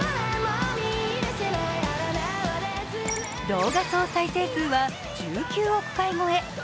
動画総再生回数は１９億回超え。